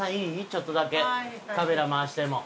ちょっとだけカメラ回しても。